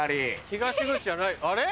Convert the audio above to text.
東口じゃないあれ？